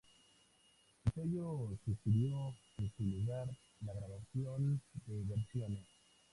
El sello sugirió, en su lugar, la grabación de versiones.